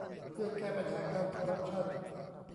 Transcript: เพื่อแก้ปัญหาการคอร์รัปชั่น